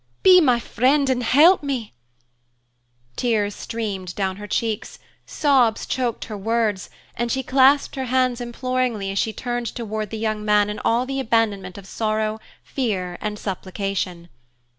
Be my friend, and help me!" Tears streamed down her cheeks, sobs choked her words, and she clasped her hands imploringly as she turned toward the young man in all the abandonment of sorrow, fear, and supplication.